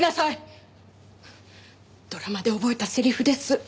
ドラマで覚えたセリフです。